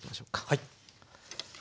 はい。